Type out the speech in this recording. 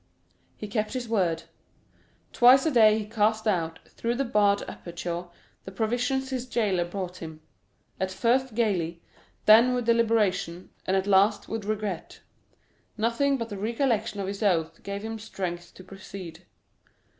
He kept his word; twice a day he cast out, through the barred aperture, the provisions his jailer brought him—at first gayly, then with deliberation, and at last with regret. Nothing but the recollection of his oath gave him strength to proceed.